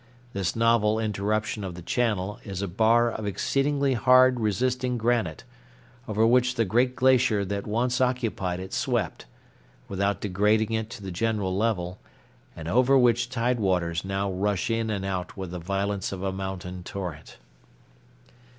This novel interruption of the channel is a bar of exceedingly hard resisting granite, over which the great glacier that once occupied it swept, without degrading it to the general level, and over which tide waters now rush in and out with the violence of a mountain torrent.